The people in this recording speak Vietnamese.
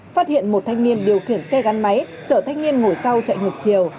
phát hiện một thanh niên điều khiển xe gắn máy chở thanh niên ngồi sau chạy ngược chiều